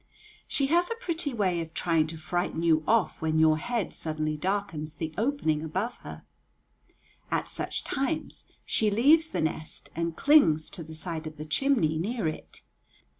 She has a pretty way of trying to frighten you off when your head suddenly darkens the opening above her. At such times she leaves the nest and clings to the side of the chimney near it.